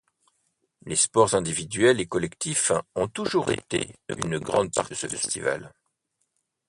Les sports individuels et collectifs ont toujours étés une grande partie de ce festival.